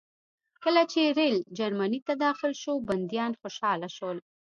کله چې ریل جرمني ته داخل شو بندیان خوشحاله شول